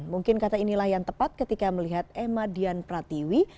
mungkin kata inilah yang tepat ketika melihat emma dian pratiwi